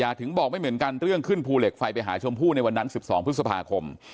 ถึงบอกไม่เหมือนกันเรื่องขึ้นภูเหล็กไฟไปหาชมพู่ในวันนั้น๑๒พฤษภาคม